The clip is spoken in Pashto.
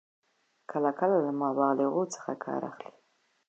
کله کله له مبالغو څخه کار اخلي.